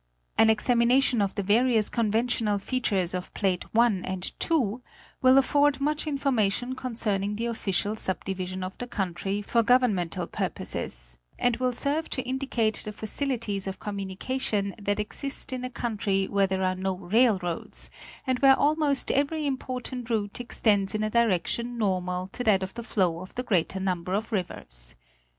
_ An examination of the various conventional features of Plate IT and II will afford much information concerning the official sub division of the country for governmental purposes, and will serve to indicate the facilities of communication that exist in a country where there are no railroads, and where almost every important route extends in a direction normal to that of the flow of the greater number of rivers.